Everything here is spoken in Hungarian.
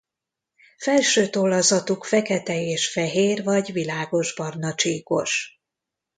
Felső tollazatuk fekete és fehér vagy világos barna csíkos.